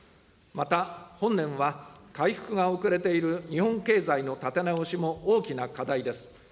また、本年は回復が遅れている日本経済の立て直しも大きな課題です。